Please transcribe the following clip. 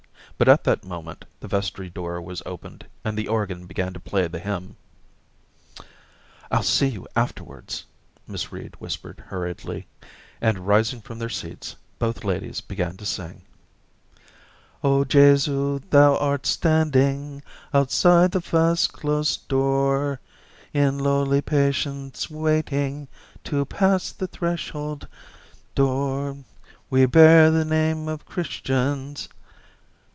But at that moment the vestry door was opened and the organ began to play the hymn. Daisy 223 ' rU see you afterwards/ Miss Reed whispered hurriedly ; and rising from their seats, both ladies began to sing, — OJesu^ thou art standing Outside the fast closed door^ In lowly patience waiting To pass the threshold der ; We bear the name of Christians.